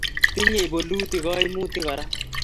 tinyei bolutik kaimutik kora